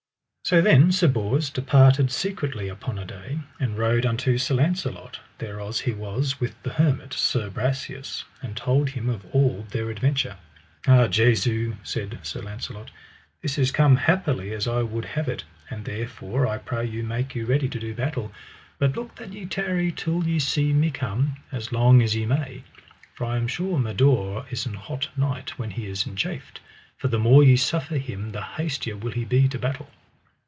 So then Sir Bors departed secretly upon a day, and rode unto Sir Launcelot thereas he was with the hermit, Sir Brasias, and told him of all their adventure. Ah Jesu, said Sir Launcelot, this is come happily as I would have it, and therefore I pray you make you ready to do battle, but look that ye tarry till ye see me come, as long as ye may. For I am sure Mador is an hot knight when he is enchafed, for the more ye suffer him the hastier will he be to battle.